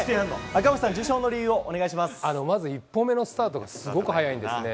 赤星さん、まず一歩目のスタートがすごく早いんですね。